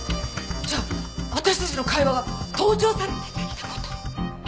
じゃあ私たちの会話が盗聴されてたって事！？